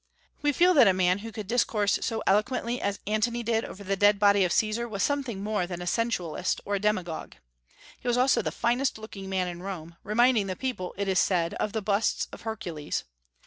We feel that a man who could discourse so eloquently as Antony did over the dead body of Caesar was something more than a sensualist or a demagogue. He was also the finest looking man in Rome, reminding the people, it is said, of the busts of Hercules.